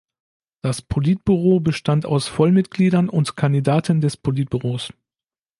Das Politbüro bestand aus Vollmitgliedern und Kandidaten des Politbüros.